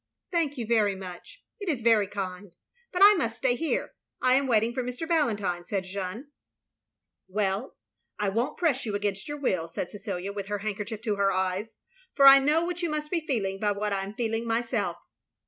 "Thank you very much. It is very kind. But I mtist stay here, I am waiting for Mr. Valen tine, " said Jeanne. "Well, I won't press you against your will," said Cecilia; with her handkerchief to her eyes, "for I know what you must be feeling by what I am feeling myself.